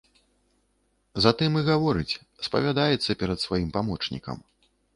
Затым і гаворыць, спавядаецца перад сваім памочнікам.